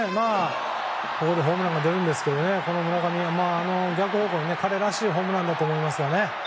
ホームランが出るんですけどこの村上、ライト方向に彼らしいホームランだと思いますね。